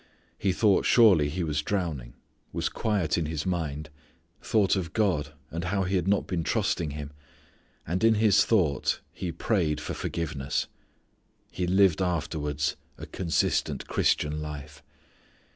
He thought surely he was drowning, was quiet in his mind, thought of God and how he had not been trusting Him, and in his thought he prayed for forgiveness. He lived afterwards a consistent Christian life.